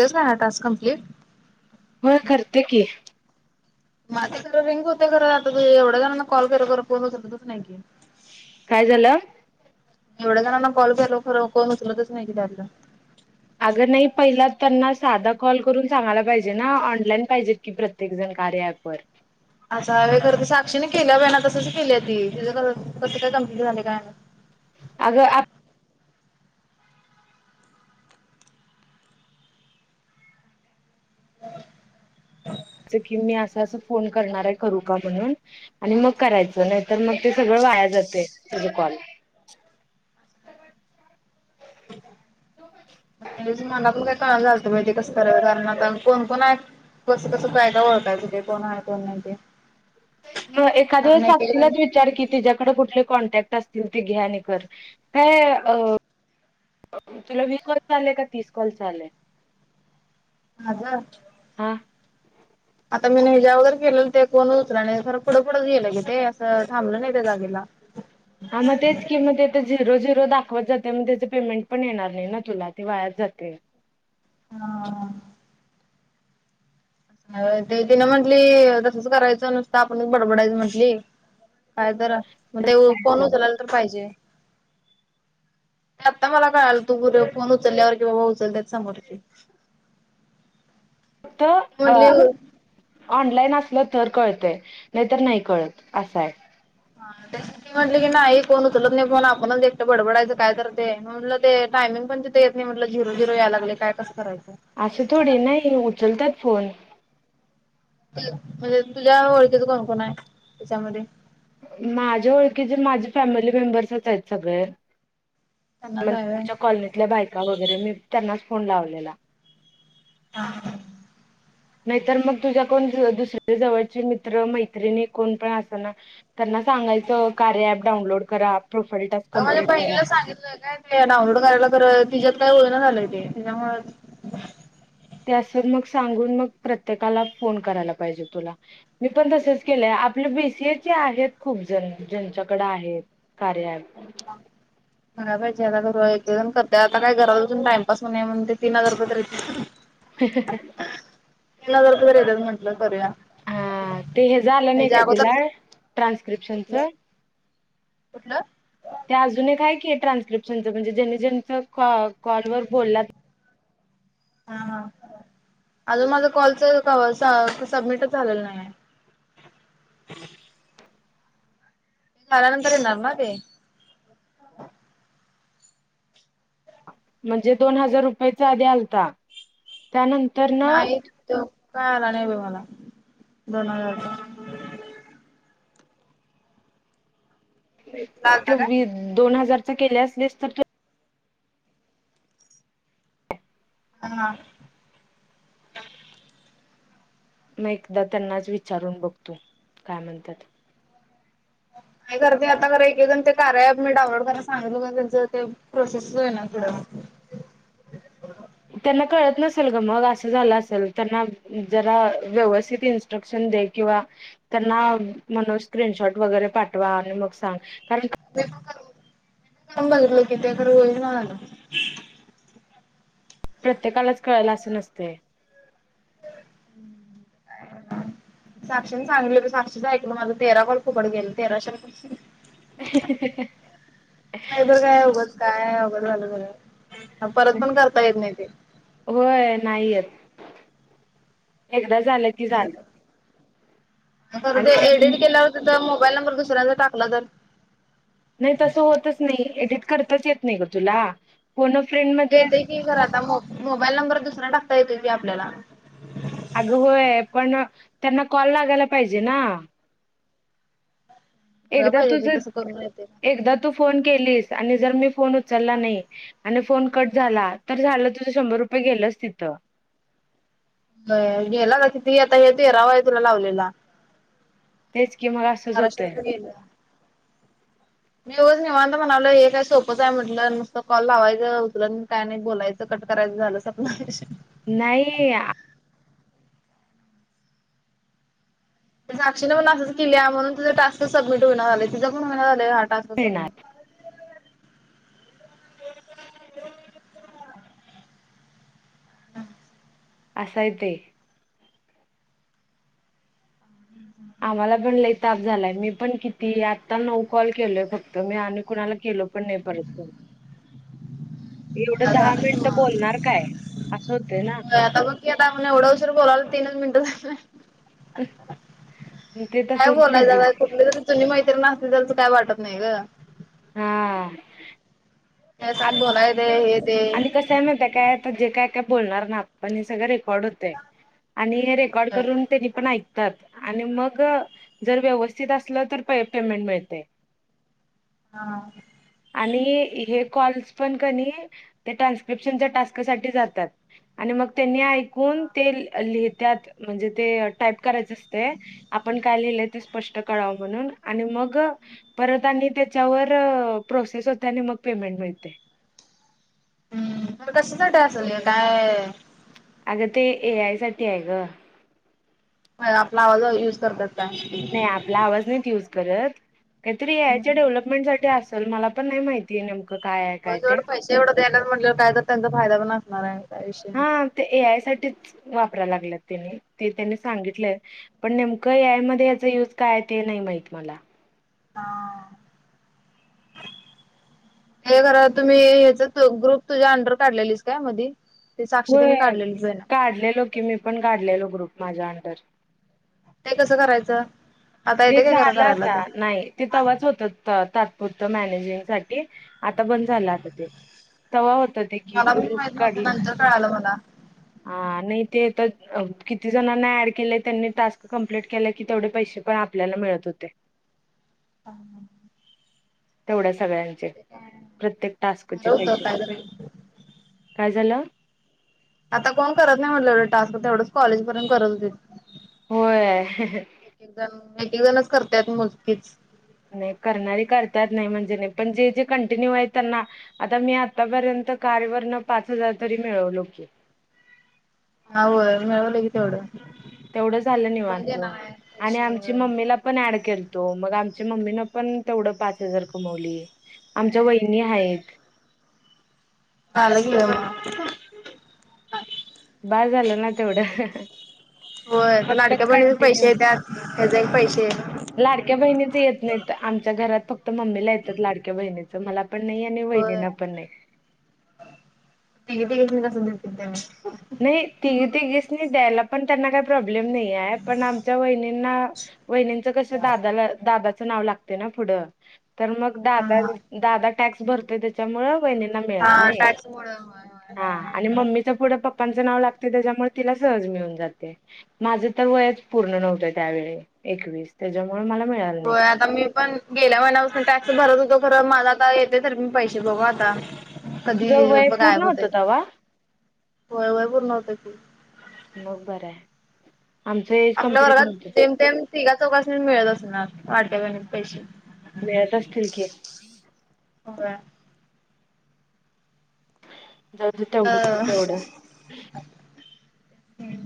होच ना task complete होय करते की माझे खरं रिंग होते खर आता त एवढ्या जणांना कॉल कररं फोन तस नाही की काय झालं एवढ्या जणांना कॉल केल खरं कोण उचल तच नाही कलं अगर नाही पहिला त्यांना साधा कॉल करून सांगायला पाहिजे ना ऑनलाईन पाहिजेत की प्रत्येक जण कार्यापर अस ह खरं तर साक्षीने केल्या ना तसंच केली ती त कसं काय कंप्लीट झाली काय अगर आप असं की मी अस फोन करणार आहेू का म्हणून आणि मग करायचं नाही तरर मग ते सगळं वाया जाते बुजेकॉण अच अ मनातून काय कळ चालतं पाहिजे कसं कराय कारण कोण कोण आहे कसं कसं फायदा ओळखायच ते कोण आहे कोण नाही ते एखाद ववस कारण एक एक जण साक्षीलाच विचार की तिच्याकडे कुठले कॉन्टॅक्ट असतील ते घ्याणेकर काय अ चला वीकवाचालेका तसकोचाले आज आता मी न ज्या वगैर केलेलं ते कोण उचला नाही सर पुढं पुुढच गेलं की ते असं थांबलं नाही त्या जागेला हा मग तेच किंमत तर झेरो झ दाखवत जाते म त्याच पेमेंट पण येणार नाही ना तुला ते वायात जाते हा ते तिनं म्हंटली तसच करायचं नुसतं आपणच बडबडायचं म्हंटली काय तर मगं ते फोन उचलायला पण तर पाहिजे आता मला कळाल तू पुर फोन उचलल्यावर कि बाबा उचलतच समोर क [unintelligible] फक्त ऑनलाईन असल तर कळतय नाही तर नाही कळत असं आहे त्यां त म्हटले की नाही कोण उचलत नाही पण आपण एकटं बडबडायचं काय तर ते म्हटलं ते टम पण ति येत नाही म्हटलं झिरो झिरो या लागले काय कराचं असं थोडी नाही उचलतात फोन म्हणजे तुझ्या ओळखीचा कोणकण आहे त्याच्यामध्ये माझ्या ओळखी जर माझे फॅमिली मेंबर्स आहेत सगळे त्यांनाच हाय व्हय. मच्या कॉलनीतल्या बायका वगैरे मी त्यांनाच फोन लावलेला हा ह नाहीतर मग तुझ्या को दुसऱ्या जवळचे मित्र मैत्रिणी कोण पण अस ना त्यांना सांगायं कार्य प डाउनलोड करा प्रोफाईल टास्क अग माझ्या कंप्लीट करा बहिला सांगितलं काय ते डाउनलोड करायला तर तिच्यात का झालं ते तच्यामुळे ते मग सांगून मग प्रत्येकाला फोन करायला पाहिजे तुला मी पण तसच के आपले बीसीएचे आहेत खूप जण ज्यांच्याकडे आहेत कार्या [unintelligible] बा पाहिजे आता गर एकजण करते आता काय घरातचून टाइमपास होणे म्हण ते तीन हजार रप [unintelligible] [unintelligible] हा ते हे झालं नाही हेच्या का अगोदर तुला ट्रान्स्क्रिप्शनच कुठलं ते अजून काय की आहे ट्रान्स्क्रिप्शनच म्हणजे ज्यांनी ज्यांचॉ कॉलवर बोलात हा हा अजून माझ कॉलच सबमिट झालेलं नाही ते झाल्यानंतर येणार ना ते म्हणजे दोन हजार रुपयाचा आधी आलता त्यानंतर नाही तो काय आला नाही ब मला दोन हजार तुला आलता काय? दोन हजारच्या केले असलिस तर त हा मग एकदा त्यांनाच विचारून बघतो काय म्हणतात [unintelligible] नाही कर ते आता एक एकण ते कार्य प मी डाउनलोड करा सांगल का त्यांचं ते प्रोसेसच आहे ना त्यांना कळत नसेल ग मग अस झाल असेल त्यांनां जरा व्यवस्तीत इट्र क त्यांना स्क्रीन शॉट वेगरे पाठवा मग सां [unintelligible] प्रत्येकालाच कळायला असं नसते [unintelligible] साक्षीने सांगलं की साक्षीचं ऐकलं माझं तेरा कोल भुकड गेल तेराश का बर काय उगच काय आहे उगच झालं बर- ह परत पण करता येत नाही ते होय नाही येत एकदा झालं की झालं तर ते एडिट केल्यावरत तर मोबाईल नंबर दुसऱ्यांच टाकला तर नाही तसं होतच नाही एडिट करताच येत नाही ग तुला कोण येतत क खरा आता मो मोबाईल नंबर दुसरा टाकता येतो की आपल्याला अगं होय पण त्यांना कॉल लागायला पाहिजे ना एकदा पाहिजे तुझ ते तसं करून येते. एकदा तू फोन केलीस आनि‌ मी फोन उचला नाही अशी फोन कट झाला तर झाल तुझं शंभर रुपये गेलच तिथं गेला ना कि त आता हेेत तेरावा आहे तुला लावलेला तेच की मग असंच बाराशे होतय रुपये गेलं. मी एवज निवनत म्हणावलं हे काय सोपंच आहे म्हटलं नुसत कॉल लावायचं उतर काय नाही बोलायचं क करायचं झालं स्वप नाही साक्षी पण अस कल्या म्हून त टास्क सबमिट हो झाले तिं पण हो तासग मिळणार [inaudible] असाय ते आम्हाला पण लई ताप झालाय मी पण किती आत्ता नऊ कॉल केलोय फक्त मी आणि कुणाला केल पण नाही परतत [inaudible] एवढं दहा मिनिट बोलणार काय असं होतंय ना होता म किता म्ह ओडा उसर बोलाला तीन मनिट मग ते काय तसंच बोलाय प्रॉब्लेम ददा कुठले तु्ही माहिती असते तर त काय वाटत नाही ग हा त्या संग बोलाय ते हे ते आणि कस आहे माहीत काय आता जे काय आता बोलणार ना आपण हे सगळं रेकॉर्ड होतय आणि रेकॉर्ड होय करून त्यांनी पण ऐक आणि मग जर व्यवस्थित असलं तर पेमेंट मिळते हा आणि हे कॉल्स पण काणी ट्रान्सलेशन टास्क साठी जातात आणि मग तिने ऐक कोण ते लिह त्यात म्हणजे ते टाईप करायच असते आपण काय लिहिलं ते स्पष्ट कळाव म्हणून मग परत आणि त्याच्यावर प्रोसेस होत आणि मग पेमेंट हो ते मग कशासाठी असेल हे काय अगं एआय साठी आहे ग आपला आवाज युज करतात काय? नाही आपला आवाज नाही यूज करत काहीतरी याच्या डेव्हलपमेंटसाठी अस च मला पण नाही माहितीये नेमकं काय आहे हो काय ते. सोड पैसे एवढं द्यायला म्हटले काय तर त्यांचा फायदा पण असणार आहे काय विषय हा नाही. ते ए आय साठीच वापरा लागल्यात त्यांनी ते त्यांनी सांगितलं पण नेमकं याय मध्ये याचा युज काय ते नाही माहीत मला हा हे खर तुम्ही हच ग्रुप तुझ्या अंडर काढलेलीस काय मधी ते साक्षी हो तिने काढलेलीच आहे ना काढलेलो की मी पण काढलेलो ग्रुप माझ्या अंडर हे कसं करायचं आता ते येते काय खरं झालं करायला आता ते नाही ते तव्हाच होत तात्पुरता होत मॅनेजमेंग साठी आता बंद झालं आता ते तवा होतं क मला पण गरुप माहित नव्हतं काढलं नंतर कळालं मला हा नाही ते किती जणांना ऍड केलंय त्यांनी टास्क कंप्लीट केला की तेवढे पैसे पण आपल्याला मिळत होते ह ह तेवढ्या सगळ्यांचे प्रत्येक टास्कचे बरं होतं पैसे काहीतरी काय झालं. आता कोण करत नाही म्हटलं एवढं टास्क तर एवढंच कॉलेज पर्यंत करत होते होय. एक एक जण एक जणच करतायत मोजकी नाही करणारी करता नाही म्हणजे नाही पण जे जे कंटिन्यू आहे त्यांना आता मी आतापर्यंत कार्य वर्ण पाच हजार तरी मिळवलो की होय मिळवले की तेवढं तेवढं झालं कोण निवत देणार आहे आणि पैसे आमची होय मम्मीला पण ऍड केल. तो मग आमच्या मम्मीन पण तेवढं पाच हजार कमवली. आमच्या वहिनी आहेत. झालं या म बास झालं ना तेवढं. होय फक्त लाडक्या बहिणीचा कंटिन्यू पैसे त्यात ह्याचे पैसे लाडक्या बहिणीच येत नाही तर आमच्या घरात फक्त मम्मीला येतात लाडक्या बहिणीचं मला मला पण नाही आणि वहिनीला होय पण नाही. हो. नाही ती तघेस नाही द्यायला पण त्यांना काय प्रॉब्लेम. प्रॉब्लेम नाहीये पण आमच्या वहिनींना वहिनींचा कसा दादाला. नाव लागते ना पुढ तर मग दादा हा दादा टॅक्स भरते त्यामुळे म्हणून वहिनींना मिळत हा नाही टॅक्स मुळ होय होय नाही हा नाही मिळत. मम्मीच्या पुढे पापा पापा च नाव लागते त्याच्यामुळे तिला सहज मिळून जाते माझं तर वयच पूर्ण नव्हतं त्यावेळी एकवीस तेज्या होय आता मी पण गेल्या महिन्यापासूनच टॅक्स भरत होतो. खरं मला काय येते तरी मला पैसे बघू आता तुझं कधी वय बघ गायब पूर्ण होते. होतं तवा वय वय पूर्ण होत ती. मग बराय आपल्या वर्गात जमतेम तिघाचौकासून मिळत असणार वाट्यापणीचे पैसे मिळत असतील की होय. जाऊ दे अ तेवढं-तेवढं. हं.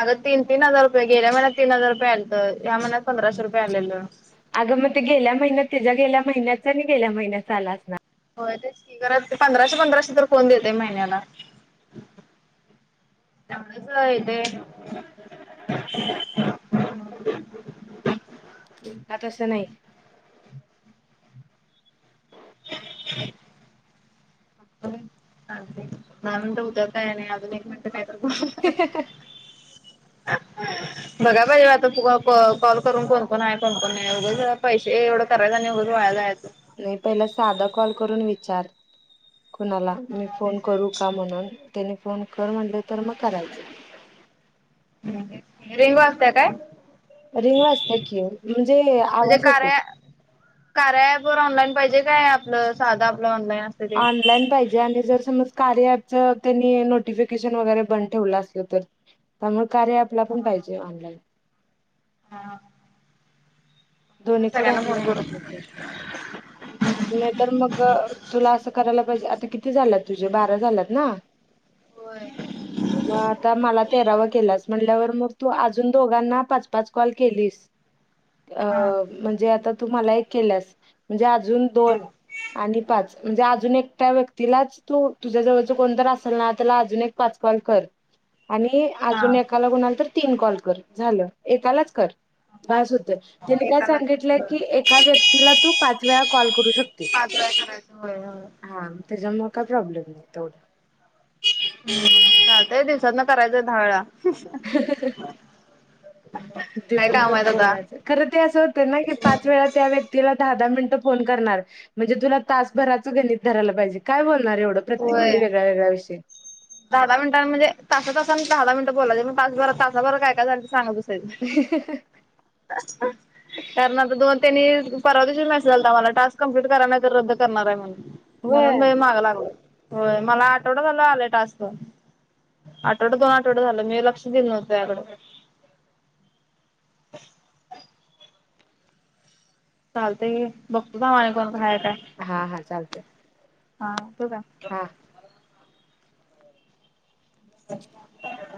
अग तीन, तीन हजार रुपय गेल्या महिन्या तीन हजार रुपये आलतं. या महिन्यात पंधराशे रुपये आलेलं. अगं मग ते गेल्या महिन्यात तिच्या गेल्या महिन्याच आणि गेल्या महिन्याचा आला असणार. हो तेच की पंधराशे पंधराशे तर कोण देते महिन्याला? तेवढच होय येते. धडाधड. आ तस नाही. खुळखुळ. अंग बाई चालतंय कि मला म्हणतय उद्या काय नाही आजुन एक मिनिट तर बाबा अह्. बघा पाहिजे आता कॉल करून कोणकोण आहे. कोणकोण नाही उगाच पैसे एवढं करायच आणि नाही. बर वाया जायच. नाही पहिला साधा कॉल करून विचार. कोणाला मी फोन करू का म्हणून? त्यानी फोन कर म्हणलं तर मग करायचं. रेंगू असतय काय? रिंग वाजते की म्हणजे म्हणजे आवाज येतो. कार्या कार्या ॲप वर ऑनलाईन पाहिजे काय आपलं साधा आप ऑनलाइन पाहिजे आणि जर समज कार्य ॲप त्यांनी नोटिफिकेशन वगैरे बंद ठेवल असल तर त्यामुळेच. कार्य आपल्या पण पाहिजे ऑनलाईन हा. दोन्हीकड ऑनलाईन करू नसल तर नाही तर मग तुला असं करायला पाहिजे आता किती? किती झाल्यात तुझे बारा झाल्यात ना? होय मग आता मला तेरावा केलाच. म्हणल्यावर मग तू अजून दोघांना पाच पाच कॉल केलीस. अ हा म्हणजे आता तुम्हाला एक केल्यास म्हणजे अजून दोन आणि पाच म्हणजे अजून एकट्या व्यक्तीलाच तू तुझ्या जवळच कोणतर असल ना त्याला अजून एक पाच कॉल कर आणि अजून हा एकाला कोणाला तर तीन कॉल कर झालं एकालाच कर बास होत. त्यांनी काय एकालाच सांगितलंय की एका व्यक्तीला तू पाच वेळा कॉल करू शकतेस. पाच वेळा करायचं होय होय. हा त्याच्यामुळे काय प्रॉब्लेम नाही तेवढ. हं चालतय दिवसातन करायचंय दहा वेळा हहह काय काम आहेत आता दिवसभरच खरं ते असं होते ना की पाच वेळा त्या व्यक्तीला- दहा दहा मिनिट फोन करणार म्हणजे तुला तासभर गणित धरणार काय बोलणार? फार एवढं प्रत्येक वेळी होय. ववेगवेगळा विषय दहा मिनटां म्हणजे तासा ताससां दहा मिनट बोलायचंय तासाभरात बरं काय झालं ते सांगत बसते. कारण आता दोन - त्यांनी परवादिवशी मेसेज आलता मला टास्क कंम्प्लीट करा नाही तर रद्द करणार आहे म्हणुन व्हय. म्हणून मी माघ लागलोय होय मला आठवडा झाला आलाय टास्क आठवड दोन आठवड झालं मी लक्ष दिल नव्हत त्याकड [unintelligible] चालतय बघत का माने कोणय हा हा चालतय हा त का ह